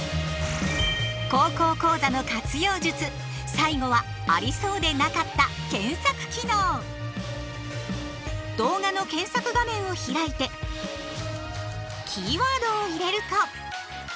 「高校講座」の活用術最後はありそうでなかった動画の検索画面を開いてキーワードを入れると。